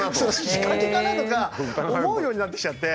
仕掛けかな？とか思うようになってきちゃって。